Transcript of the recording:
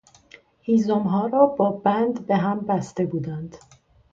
هیزمها را با بند به هم بسته بودند.